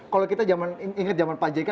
kalau kita ingat zaman pajeka